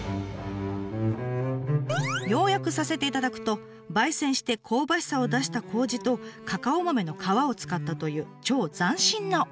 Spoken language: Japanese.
要約させていただくと焙煎して香ばしさを出した麹とカカオ豆の皮を使ったという超斬新なお酒。